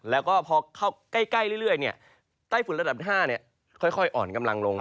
แล้วก็พอเข้าใกล้เรื่อยใต้ฝุ่นระดับ๕ค่อยอ่อนกำลังลง